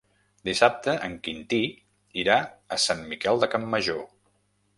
Dissabte en Quintí irà a Sant Miquel de Campmajor.